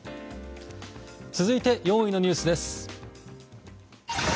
続いて４位のニュースです。